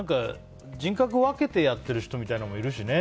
人格を分けてやってるみたいな人もいるしね。